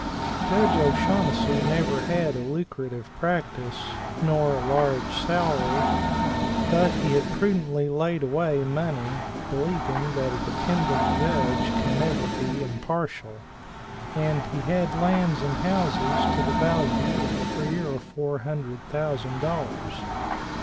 Judge O'Shaunnessy never had a lucrative practice nor a large salary but he had prudently laid away money believing that a dependant judge can never be impartial and he had lands and houses to the value of three or four hundred thousand dollars.